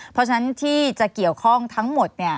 เพราะฉะนั้นที่จะเกี่ยวข้องทั้งหมด